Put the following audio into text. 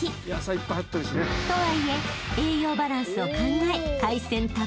［とはいえ栄養バランスを考え］